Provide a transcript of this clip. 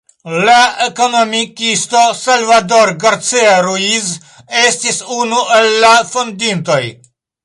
La ekonomikisto Salvador Garcia-Ruiz estis unu el la fondintoj.